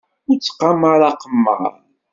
Ur ttqamar aqemmar.